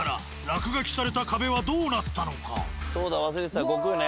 あれからそうだ忘れてた「悟空」ね。